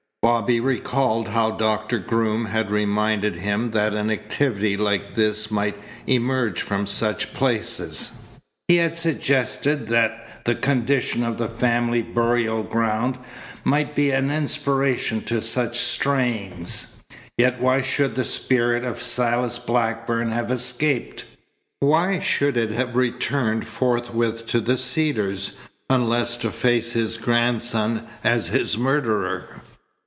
Bobby recalled how Doctor Groom had reminded him that an activity like this might emerge from such places. He had suggested that the condition of the family burial ground might be an inspiration to such strayings. Yet why should the spirit of Silas Blackburn have escaped? Why should it have returned forthwith to the Cedars, unless to face his grandson as his murderer?